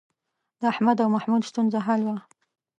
د احمد او محمود ستونزه حل وه.